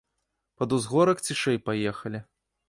Пад узгорак цішэй паехалі.